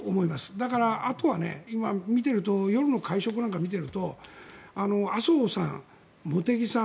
だからあとは今、見ていると夜の会食なんかを見ていると麻生さん、茂木さん